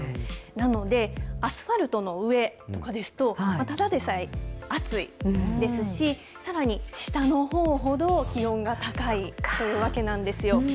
なので、アスファルトの上とかですと、ただでさえ暑いですし、さらに下のほうほど気温が高いというわけなんですよ。